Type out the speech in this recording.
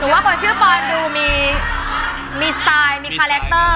ว่าพอชื่อปอนดูมีสไตล์มีคาแรคเตอร์